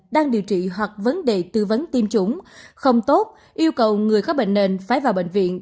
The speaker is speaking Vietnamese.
đang điều trị hoặc vấn đề tư vấn tiêm chủng không tốt yêu cầu người có bệnh nền phải vào bệnh viện